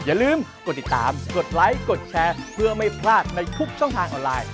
อย่าลืมกดติดตามกดไลค์กดแชร์เพื่อไม่พลาดในทุกช่องทางออนไลน์